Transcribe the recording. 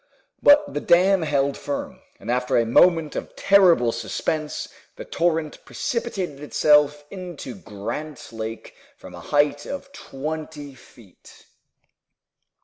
But the dam held firm, and after a moment of terrible suspense the torrent precipitated itself into Grant Lake from a height of twenty feet.